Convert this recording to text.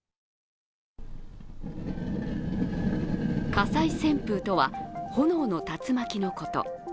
火災旋風とは、炎の竜巻のこと。